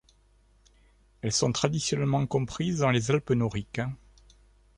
Elles sont traditionnellement comprises dans les Alpes noriques.